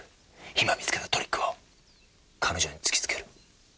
今見つけたトリックを彼女に突きつける。